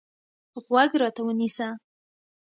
غوږ راته ونیسه.